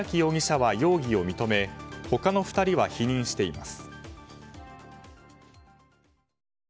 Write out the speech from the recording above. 白木容疑者は容疑を認め他の２人は否認しています。